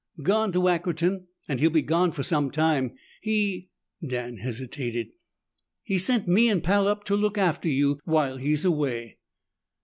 "Gone to Ackerton and he'll be gone for some time. He " Dan hesitated. "He sent me and Pal up to look after you while he's away."